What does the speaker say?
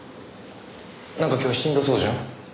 なんか今日しんどそうじゃん。